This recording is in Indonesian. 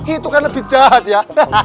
itu kan lebih jahat ya